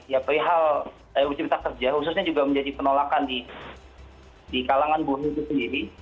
ya perihal ruu cipta kerja khususnya juga menjadi penolakan di kalangan buruh itu sendiri